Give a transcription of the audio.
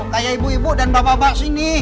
kayak ibu ibu dan bapak bapak sini